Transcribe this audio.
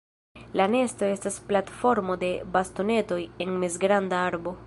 La nesto estas platformo de bastonetoj en mezgranda arbo.